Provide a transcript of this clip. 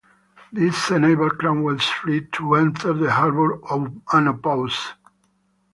This enabled Cromwell's fleet to enter the harbour unopposed.